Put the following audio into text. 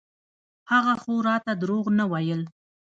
هغه خو راته دروغ نه ويل.